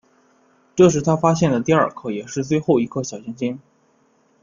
这是他发现的第二颗也是最后一颗小行星。